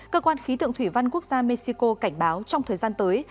cơ quan khí tượng thủy văn quốc gia mexico cảnh báo trong thời gian tới